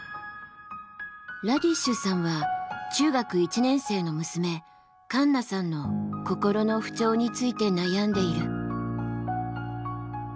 ラディッシュさんは中学１年生の娘カンナさんの心の不調について悩んでいる。